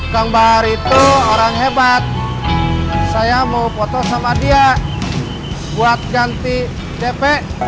kang bahar itu orang hebat saya mau foto sama dia buat ganti dp